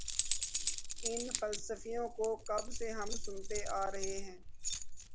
ان فلسفیوں کو کب سے ہم سنتے آ رہے ہیں۔